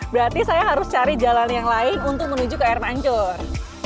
berarti saya harus cari jalan yang lain untuk menuju ke air mancur